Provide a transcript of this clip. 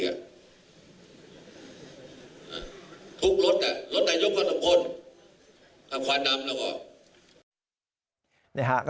ทุกรถนายยกก็สมควรทำความดำแล้วออก